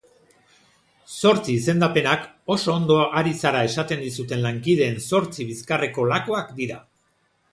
Zortzi izendapenak oso ondo ari zara esaten dizuten lankideen zortzi bizkarreko lakoak dira.